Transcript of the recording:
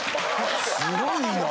すごいな。